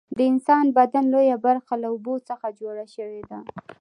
د انسان د بدن لویه برخه له اوبو څخه جوړه شوې ده